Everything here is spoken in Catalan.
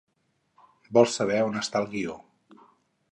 Vol saber on està el guió.